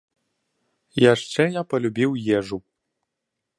Яшчэ я палюбіў ежу.